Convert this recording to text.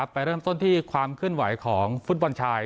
ไปเริ่มต้นที่ความขึ้นวัยของฟุตบอลชาย